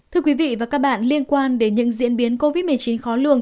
thưa quý vị và các bạn liên quan đến những diễn biến covid một mươi chín khó lường